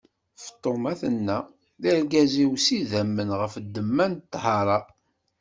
Feṭṭuma tenna: D argaz-iw s idammen ɣef ddemma n ṭṭhara.